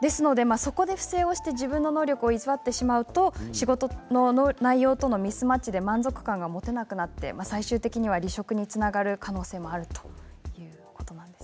そこで不正をして自分の能力を偽ると仕事の内容とのミスマッチで満足感が持てなくなって最終的には離職につながる可能性もあるそうです。